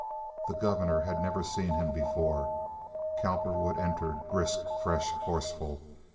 The governor had never seen him before. Cowperwood entered brisk, fresh, forceful.